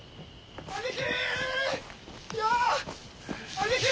兄貴！